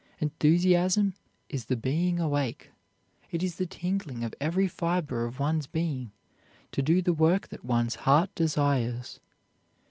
Enthusiasm is the being awake; it is the tingling of every fiber of one's being to do the work that one's heart desires.